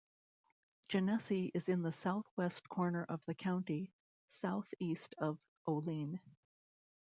Genesee is in the southwest corner of the county, southeast of Olean.